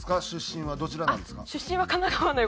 出身はどちらなんですか？